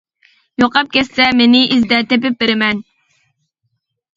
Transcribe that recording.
يوقاپ كەتسە مېنى ئىزدە تېپىپ بېرىمەن.